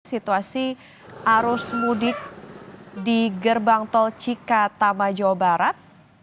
situasi arus mudik di gerbang tol cikatama jawa barat